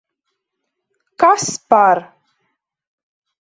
Kas par...